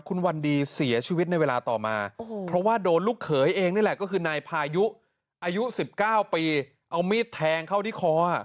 คุณวันดีเสียชีวิตในเวลาต่อมาเพราะว่าโดนลูกเขยเองนี่แหละก็คือนายพายุอายุ๑๙ปีเอามีดแทงเข้าที่คอ